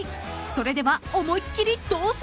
［それでは思いっ切りどうぞ］